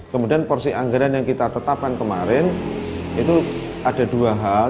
kemudian porsi anggaran yang kita tetapkan kemarin itu ada dua hal